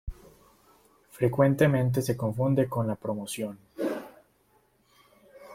Frecuentemente se confunde con la promoción.